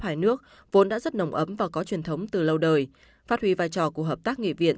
hai nước vốn đã rất nồng ấm và có truyền thống từ lâu đời phát huy vai trò của hợp tác nghị viện